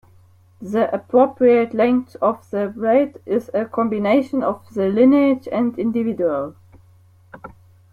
The appropriate length of the blade is a combination of the lineage and individual.